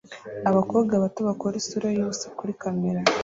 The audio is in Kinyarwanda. Abakobwa bato bakora isura yubusa kuri kamera